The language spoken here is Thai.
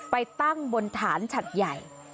ไปตั้งบนฐานฉัดใหญ่